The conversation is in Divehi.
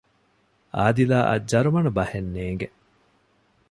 އާދިލާއަށް ޖަރުމަނު ބަހެއް ނޭނގެ